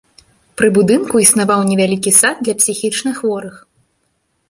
Пры будынку існаваў невялікі сад для псіхічнахворых.